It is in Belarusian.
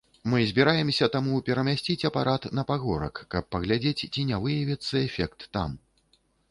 Мы збіраемся таму перамясціць апарат на пагорак, каб паглядзець, ці не выявіцца эфект там.